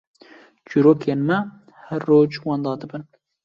çîrokên me her roj wenda dibin.